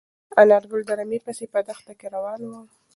انارګل د رمې پسې په دښته کې روان و.